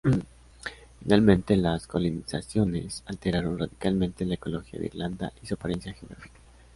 Finalmente, las colonizaciones alteraron radicalmente la ecología de Irlanda y su apariencia geográfica.